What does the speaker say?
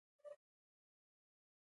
شونډو کې ښکلي او خواږه تر شاتو